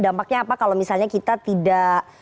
dampaknya apa kalau misalnya kita tidak